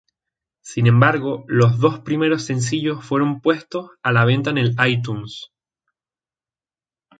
Sin embargo, los dos primeros sencillos fueron puestos a la venta en iTunes.